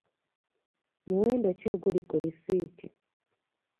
Muwendo ki oguli ku lisiiti?